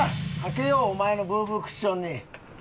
賭けようお前のブーブークッションに。